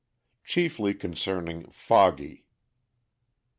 _Chiefly Concerning "Foggy."